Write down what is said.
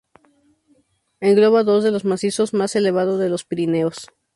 Engloba dos de los macizos más elevado de los Pirineos.